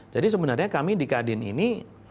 jadi sebenarnya kami di kadin ini